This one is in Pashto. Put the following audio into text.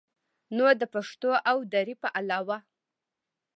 نو د پښتو او دري په علاوه